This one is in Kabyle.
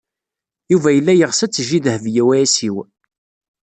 Yuba yella yeɣs ad tejji Dehbiya u Ɛisiw.